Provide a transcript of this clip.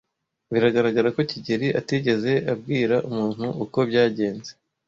Biragaragara ko kigeli atigeze abwira umuntu uko byagenze.